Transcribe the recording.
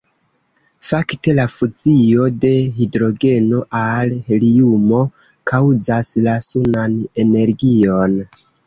Fakte, la fuzio de hidrogeno al heliumo kaŭzas la sunan energion.